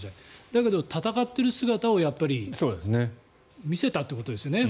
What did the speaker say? だけど、闘っている姿を見せたということですよね。